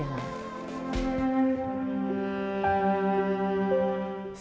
sampai akhirnya soiran menemukan kemampuan